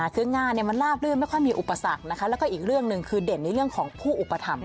คืองานมันลาบลื่นไม่ค่อยมีอุปสรรคนะคะแล้วก็อีกเรื่องหนึ่งคือเด่นในเรื่องของผู้อุปถัมภ